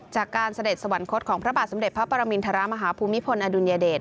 เสด็จสวรรคตของพระบาทสมเด็จพระปรมินทรมาฮภูมิพลอดุลยเดช